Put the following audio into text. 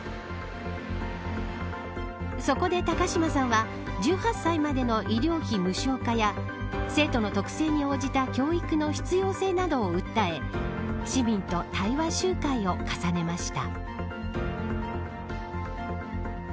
そこで高島さんは１８歳までの医療費無償化や生徒の特性に応じた教育の必要性などを訴え市民と対話集会を重ねました。